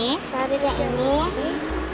tarik yang ini